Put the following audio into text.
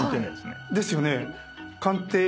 ですよね。